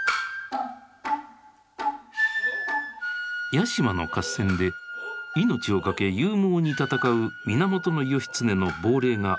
八島の合戦で命を懸け勇猛に戦う源義経の亡霊が現れる「八島」。